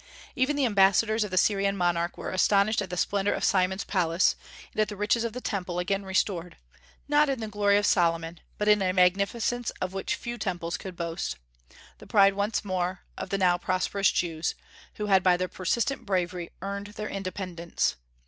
Even the ambassadors of the Syrian monarch were astonished at the splendor of Simon's palace, and at the riches of the Temple, again restored, not in the glory of Solomon, but in a magnifience of which few temples could boast, the pride once more of the now prosperous Jews, who had by their persistent bravery earned their independence.